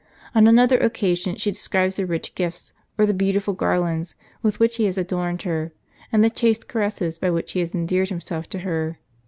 On another occasion she describes the rich gifts, or the beautiful garlands with which he has adorned her, and the chaste caresses by which he has endeared himself to her.